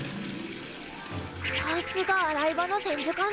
さすが洗い場の千手観音！